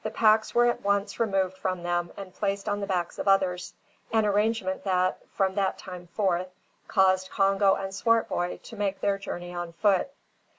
The packs were at once removed from them and placed on the backs of others, an arrangement that, from that time forth, caused Congo and Swartboy to make their journey on foot.